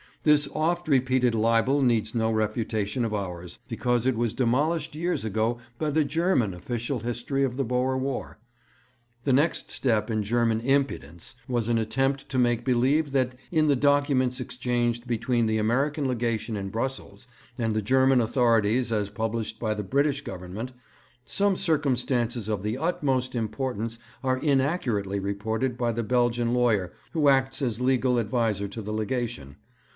This oft repeated libel needs no refutation of ours, because it was demolished years ago by the German official history of the Boer War. The next step in German impudence was an attempt to make believe that in the documents exchanged between the American Legation in Brussels and the German authorities as published by the British Government, some circumstances of the utmost importance are inaccurately reported by the Belgian lawyer who acts as legal adviser to the Legation.